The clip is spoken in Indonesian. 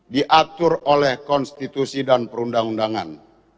diatur oleh konstitusi dan perundang undangan